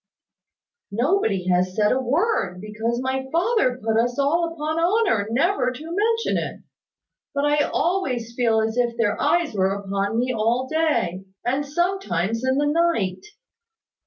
"Nobody has said a word, because my father put us all upon honour never to mention it: but I always feel as if all their eyes were upon me all day, and sometimes in the night."